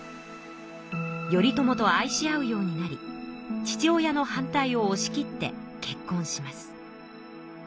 頼朝と愛し合うようになり父親の反対をおし切って結婚します。